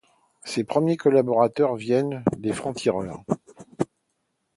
Ses premiers collaborateurs viennent des Francs-Tireurs.